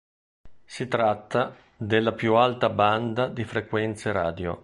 Si tratta della più alta banda di frequenze radio.